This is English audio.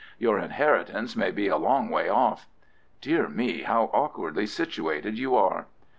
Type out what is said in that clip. Your inheritance may be a long way off. Dear me, how awkwardly situated you are!"